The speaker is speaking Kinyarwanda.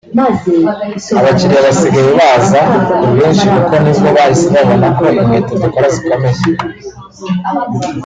abakiliya basigaye baza ku bwinshi kuko nibwo bahise babona ko inkweto dukora zikomeye